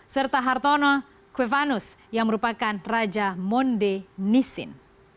serta hartono kwevanus yang merupakan raja monde nisin